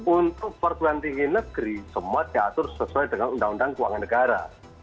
untuk perguruan tinggi negeri semua diatur sesuai dengan undang undang keuangan negara